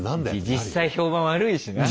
実際評判悪いしな。